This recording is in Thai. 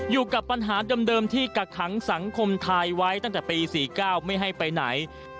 อยู่กับปัญหาเดิมที่กักขังสังคมไทยไว้ตั้งแต่ปี๔๙ไม่ให้ไปไหน